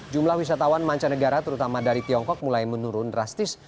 jumlah wisatawan mancanegara terutama dari tiongkok mulai menurun drastis